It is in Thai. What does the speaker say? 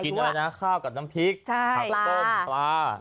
อะไรนะข้าวกับน้ำพริกผักต้มปลา